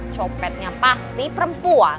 copetnya pasti perempuan